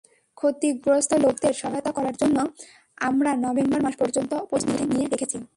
ক্ষতিগ্রস্ত লোকদের সহায়তা করার জন্য আমরা নভেম্বর মাস পর্যন্ত প্রস্তুতি নিয়ে রেখেছি।